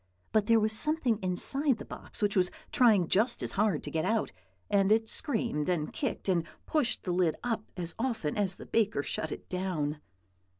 But there was something inside the box which was trying just as hard to get out, and it screamed and kicked, and pushed the lid up as often as the baker shut it down.